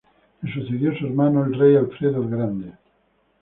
Le sucedió su hermano el rey Alfredo el Grande.